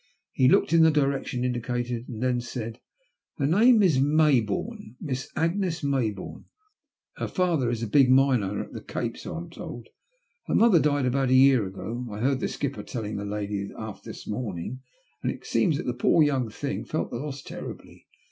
He looked in the direction indicated, and then said :" Her name is May bourne — Miss Agnes May bourne. Her father is a big mine owner at the Cape, so I'm told. Her mother died about a year ago, I heard the skipper telling a lady aft this morning, and it seems the poor young thing felt the loss terribly.